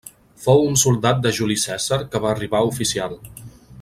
Fou un soldat de Juli Cèsar que va arribar a oficial.